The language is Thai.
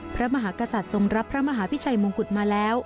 พระมหากษัตริย์ทรงรับพระมหาพิชัยมงกุฎมาแล้ว